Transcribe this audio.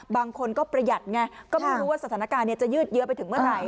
บางคนก็ประหยัดไงก็ไม่รู้ว่าสถานการณ์จะยืดเยอะไปถึงเมื่อไหร่